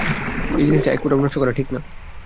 এই জিনিসটা এক ফোঁটাও নষ্ট করা ঠিক না।